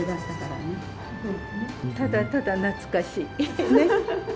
ただただ懐かしい。ね？